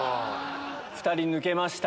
２人抜けました。